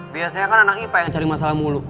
biasanya kan anak ipak yang cari masalah mulu